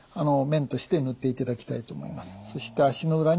面として塗っていただきたいと思います。